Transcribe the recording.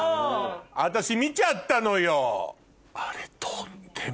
私見ちゃったのよ。